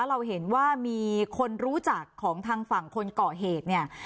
เราเห็นว่ามีคนรู้จักของทางฝั่งคนก่อเหตุเนี่ย